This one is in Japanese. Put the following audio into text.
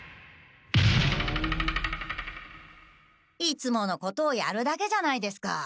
いつものことをやるだけじゃないですか。